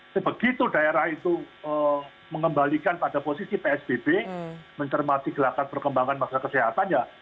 nah begitu daerah itu mengembalikan pada posisi psbb mencermati gelakar perkembangan masyarakat kesehatan